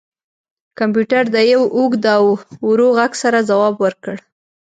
کمپیوټر د یو اوږد او ورو غږ سره ځواب ورکړ